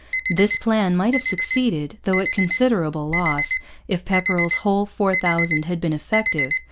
This plan might have succeeded, though at considerable loss, if Pepperrell's whole 4,000 had been effective.